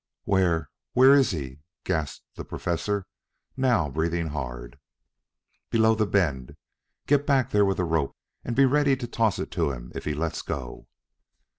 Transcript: "Where where is he?" gasped the Professor, now breathing hard. "Below the bend. Get back there with a rope and be ready to toss it to him if he lets go."